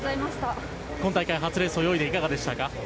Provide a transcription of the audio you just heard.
今大会、初レースを泳いでいかがでしたか？